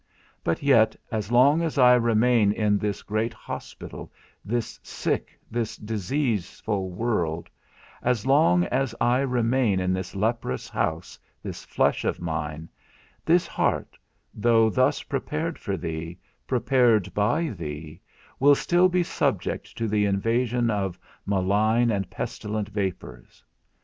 But yet as long as I remain in this great hospital, this sick, this diseaseful world, as long as I remain in this leprous house, this flesh of mine, this heart, though thus prepared for thee, prepared by thee, will still be subject to the invasion of malign and pestilent vapours.